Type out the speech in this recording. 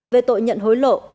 về tội nhận hối lộ